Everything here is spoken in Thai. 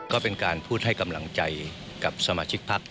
ก็เป็นการพูดให้กำลังใจกับสมาชิกพัก